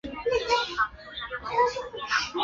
她第一次上台是演死尸。